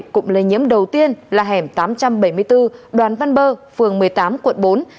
cụm lây nhiễm đầu tiên là hẻm tám trăm bảy mươi bốn đoàn văn bơ phường một mươi tám quận bốn